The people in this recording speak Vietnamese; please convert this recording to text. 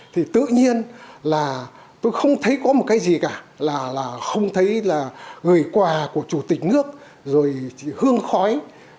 thì tự nhiên là tôi không thấy có một cái gì cả là không thấy là gửi quà của chủ tịch nước rồi hương khói